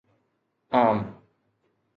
عام